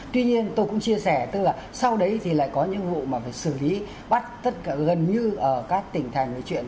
tuy nhiên tôi cũng chia sẻ tức là sau đấy thì lại có những vụ mà phải xử lý bắt tất gần như ở các tỉnh thành về chuyện